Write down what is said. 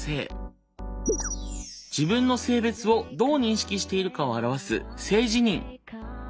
自分の性別をどう認識しているかを表す「性自認」。